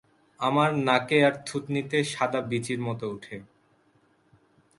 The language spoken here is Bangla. আমার নাকে আর থুতনিতে সাদা বিচির মত উঠে।